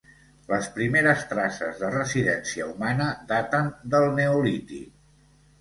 Les primeres traces de residència humana daten del neolític.